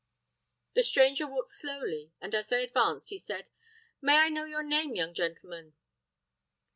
The stranger walked slowly, and, as they advanced, he said, "May I know your name, young gentleman?"